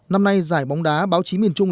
năm nay giải bóng đá báo chí miền trung